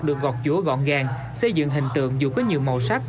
được gọt chùa gọn gàng xây dựng hình tượng dù có nhiều màu sắc